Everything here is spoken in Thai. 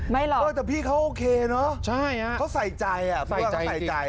ไม่หรอกแต่พี่เขาโอเคเนอะเขาใส่ใจทุกคนเขาใส่ใจ